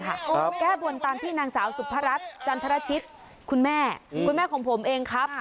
แก้บนตามที่นางสาวสุพรัชจันทรชิตคุณแม่คุณแม่ของผมเองครับ